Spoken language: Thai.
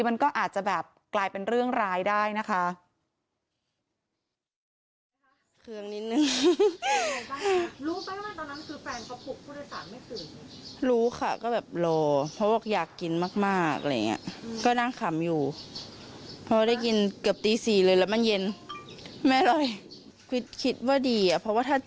มันก็อาจจะแบบกลายเป็นเรื่องร้ายได้นะคะ